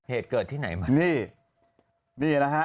เหตุเกิดที่ไหน